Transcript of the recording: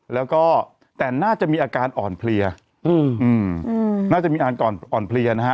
แล้วก็แต่น่าจะมีอาการอ่อนเพลียน่าจะมีอ่อนเพลียนะฮะ